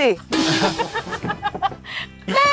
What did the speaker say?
ขอบคุณครูเลย